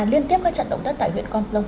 liên tiếp các trận động đất tại huyện con plong